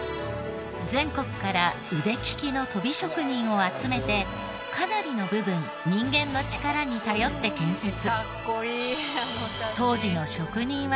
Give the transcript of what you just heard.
全国から腕利きの鳶職人を集めてかなりの部分人間の力に頼って建設。